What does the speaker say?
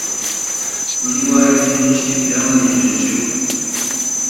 ku buryo hari byinshi byamugejejeho